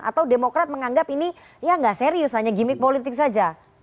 atau demokrat menganggap ini ya nggak serius hanya gimmick politik saja